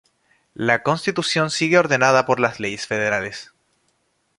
La Constitución sigue ordenada por las leyes Federales.